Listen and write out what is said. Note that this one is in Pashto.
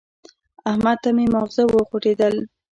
احمد ته مې ماغزه وخوټېدل.